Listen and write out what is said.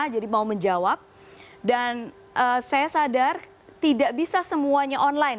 jadi mau menjawab dan saya sadar tidak bisa semuanya online